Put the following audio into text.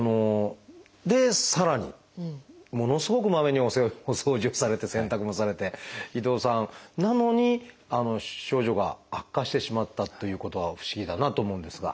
でさらにものすごくまめにお掃除をされて洗濯もされて伊藤さんなのに症状が悪化してしまったということは不思議だなと思うんですが。